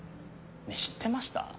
ねぇ知ってました？